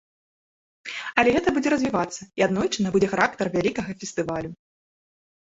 Але гэта будзе развівацца, і аднойчы набудзе характар вялікага фестывалю.